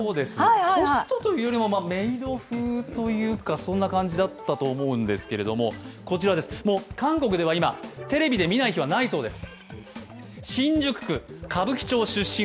ホストというよりもメイド風というか、そんな感じだったと思うんですが、こちら、もう韓国では今、テレビで見ない日はないそうです。